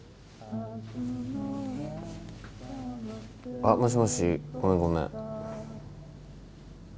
あっもしもしごめんごめん。